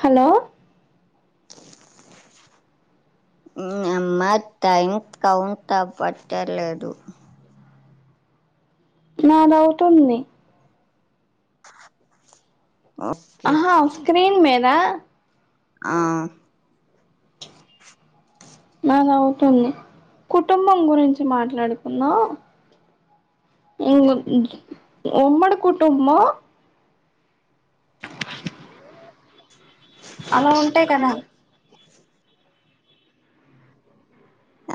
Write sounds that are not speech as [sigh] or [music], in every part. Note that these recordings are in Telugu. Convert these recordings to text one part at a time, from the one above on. హలో [unintelligible] అమ్మా టైం కౌంట్ అవట్లేదు నాన్ అవుతుంది ఓకే ఆహా స్క్రీన్ మీద ఆహ్ పిచ్ అద అవుతుంది కుటుంబం గురించి మాట్లాడు కుంధాం ఉమ్మడి కుటుంబం అలా ఉంటాయి కదా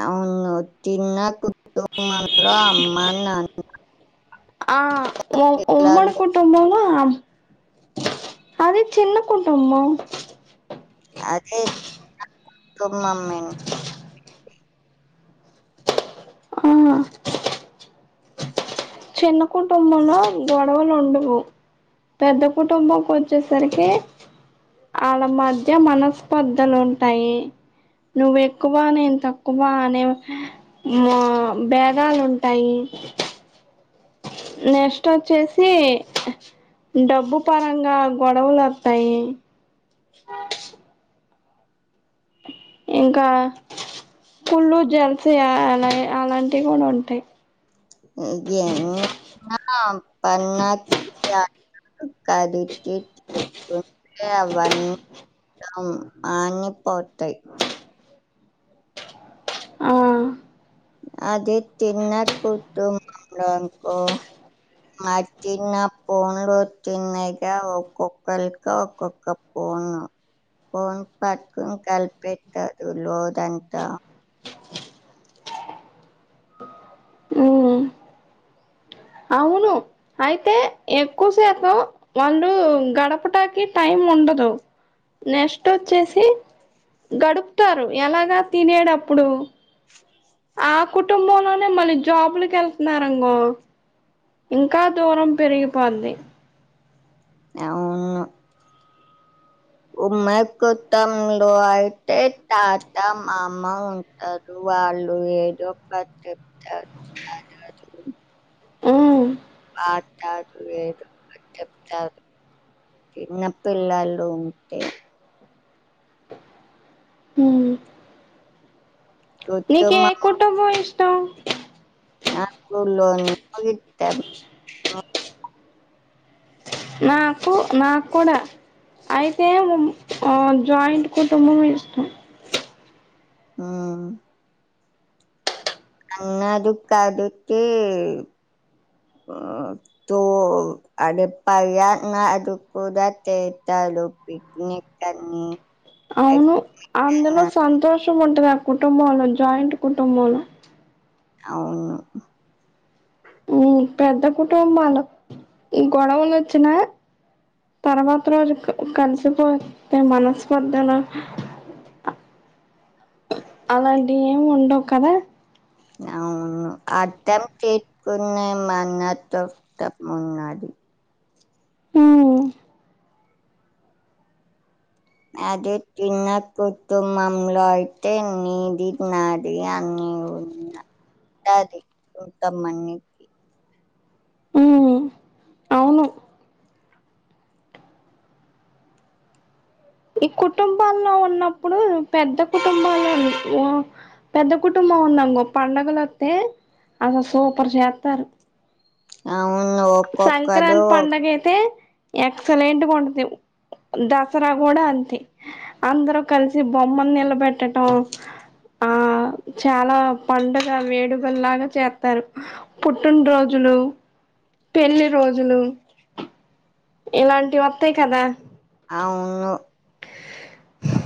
అవును చిన్నా కుటుంబంలో అమ్మా నాన్న ఆహ్ ఉమ్మడి కుటుంబంలో అది చిన్న కుటుంబం అది చిన్న కుటుంబమే ఆ చిన్న కుటుంబంలో గొడవలు ఉండవు పెద్ద కుటుంబంకి వచ్చేసరికి వాళ్ళ మధ్య మనస్పర్ధలు ఉంటాయి. నువ్వు ఎక్కువ నేను తక్కువ అనే మా భేదాలు ఉంటాయి నెస్ట్ వచ్చేసి డబ్బు పరంగా గొడవలు వస్తాయి ఇంకా కుళ్లు జెల్సీ అలా అలాంటివి కూడా ఉంటాయి. [unintelligible] కదిటింట అవన్నీ మాణిపోటై ఆ అదే చిన్న కుటుంబంలో అనుకో మాటిన్న పూన్లు వచ్చన్నాయిగా ఒక్కొక్కరికి ఒక్కొక్క పూ [unintelligible] ఫోన్ పట్కుని కలిపెట్టదు లోదంతా ఉమ్ అవును అయితే ఎక్కువ సేపు వాళ్ళు గడపటానికి టైం ఉండదు నెస్ట్ వచ్చేసి గడుపుతారు ఎలాగా తినేడు అప్పుడు ఆ కుటుంబంలోనే మళ్ళీ జాబులకేళ్తున్నారంగో ఇంకా దూరం పెరిగిపోద్ధి అవును ఉమ్మకు తమ్ముడు అయితే తాత మామ ఉంటారు వాళ్ళు ఏదో ఒకటి చెప్తారు మ్ [unintelligible] చిన్నపిల్లలుంటే మ్ నీకే కుటుంబం కుటుంబం ఇష్ నాకు లొండు ఇతం నాకు నాక్కుడా అయితే మ్ జాయింట్ కుటుంబం ఇష్టం మ్ అన్నరు కాదుకి తో అడే పయాన్నారు కూడా చెత్త తరు పిక్నిక్కని అవును అందులో సంతోష్ షం ఉంటది ఆ కుటుంబంలో జాయింట్ కుటుంబంలో అవును మ్ పెద్ద కుటుంబాలు గొడవలోచ్చినా తర్వాత రోజు కలిసిపోతే మనస్పర్దలు ఆ అలాంటివి ఎం ఉండవు కదా అవును అర్థం చేసుకున్న మనసు ఉన్నది మ్ అదే చిన్న కుటుంబంలో అయితే నిది నాది అని [unintelligible] టది కొంతమందికి ఉమ్ అవును ఈ కుటుంబాల్లో ఉన్నప్పుడు పెద్ద కుటుంబాలని మ్ పెద్ద కుటుంబం ఉందనుకో పడుగలోస్తె అసలు సూపర్ చేత్తరు అవు సంక్రాంతి పండగైతే ఎక్సలెంట్ ఉంటది దసరా కూడా అంతే అందరూ కలిసి బొమ్మను నిలబెట్టడం ఆ చాలా పండుగ వేడుకలలాగా చేస్తారు పుట్టిన రోజులు పెళ్లి రోజులు ఇలాంటివి వత్తయి కదా అవును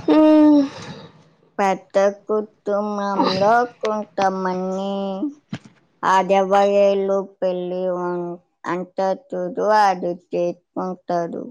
హూ మ్ పెద్ద కుటుంబంలో కొంతమంది ఆడవాళ్లు పెళ్లి వంగ్ అంటారు చూడు అది చే ఉంటారు